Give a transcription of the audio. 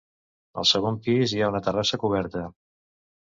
Al segon pis hi ha una terrassa coberta.